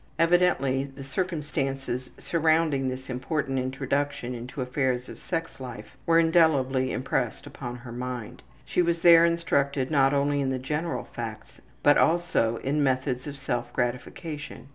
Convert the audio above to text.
Evidently the circumstances surrounding this important introduction into affairs of sex life were indelibly impressed upon her mind. She was there instructed not only in the general facts, but also in methods of self gratification.